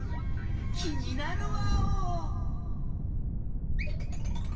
気になるワオ！